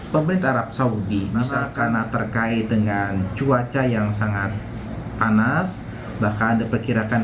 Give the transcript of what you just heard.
pemerintah arab saudi karena terkait dengan cuaca yang sangat panas bahkan diperkirakan